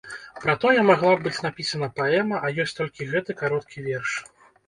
Пра тое магла б быць напісана паэма, а ёсць толькі гэты кароткі верш.